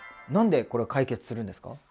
何でこれ解決するんですか？